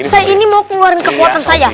saya ini mau keluarin kekuatan saya